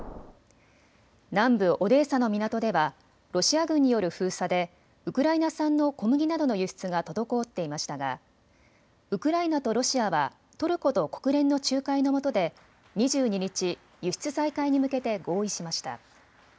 南部オデーサの港ではロシア軍による封鎖でウクライナ産の小麦などの輸出が滞っていましたがウクライナとロシアはトルコと国連の仲介のもとで２２日、輸出再開に向けて合意しました。